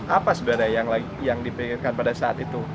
apa sebenarnya yang dipikirkan pada saat itu